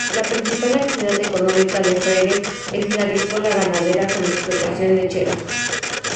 La principal actividad económica de Freyre es la agrícola-ganadera con explotación lechera.